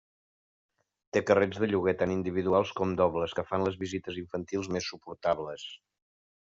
Té carrets de lloguer, tant individuals com dobles, que fan les visites infantils més suportables.